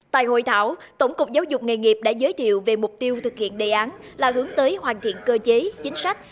tại hội thảo tổng cục giáo dục nghề nghiệp đã giới thiệu về mục tiêu thực hiện đề án là hướng tới hoàn thiện cơ chế chính sách